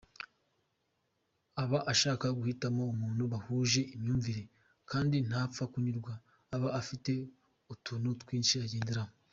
Aba ashaka guhitamo umuntu bahuje imyumvire kandi ntapfa kunyurwa, aba afite utuntu twinshi agenderaho.